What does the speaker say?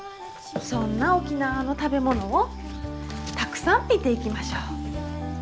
そんな沖縄の食べ物をたくさん見ていきましょう。